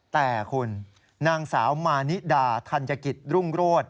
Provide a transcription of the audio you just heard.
แต่คุณนางสาวมานิดาธัญกิจรุ่งโรธ